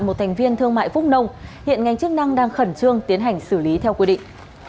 một thành viên thương mại phúc nông hiện ngành chức năng đang khẩn trương tiến hành xử lý theo quy định